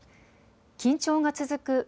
緊張が続く